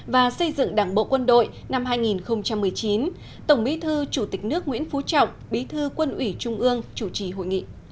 và xây dựng đảng bộ quân đội năm hai nghìn một mươi chín tổng bí thư chủ tịch nước nguyễn phú trọng bí thư quân ủy trung ương chủ trì hội nghị